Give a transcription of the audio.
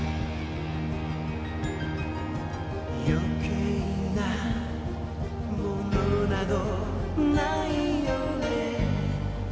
「余計な物など無いよね」